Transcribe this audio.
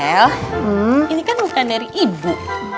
el ini kan bukan dari ibu